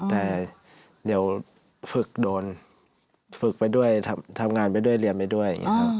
แต่เดี๋ยวฝึกโดนฝึกไปด้วยทำงานไปด้วยเรียนไปด้วย